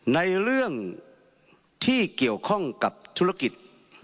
ในเรื่องที่เกี่ยวข้องกับธุรกิจ